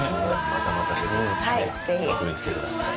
また遊びに来てください。